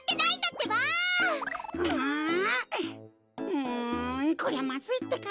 うんこりゃまずいってか。